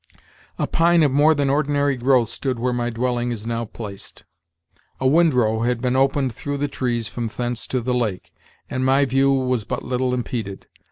A pine of more than ordinary growth stood where my dwelling is now placed! A wind row had been opened through the trees from thence to the lake, and my view was but little impeded.